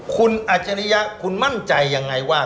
คุณอัจฉริยะคุณมั่นใจยังไงว่า